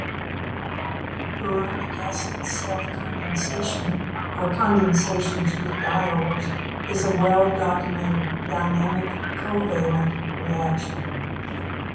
Boronic acid self-condensation or condensation with diols is a well-documented dynamic covalent reaction.